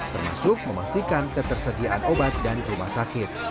termasuk memastikan ketersediaan obat dan rumah sakit